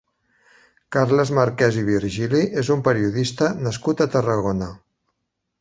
Carles Marquès i Virgili és un periodista nascut a Tarragona.